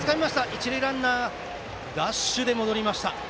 一塁ランナーはダッシュで戻りました。